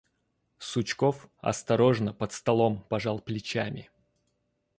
Сучков, острожно, под столом, пожал плечами.